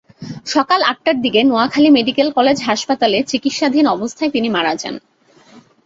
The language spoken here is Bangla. সকাল আটটার দিকে নোয়াখালী মেডিকেল কলেজ হাসপাতালে চিকিৎসাধীন অবস্থায় তিনি মারা যান।